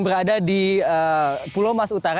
berada di pulau mas utara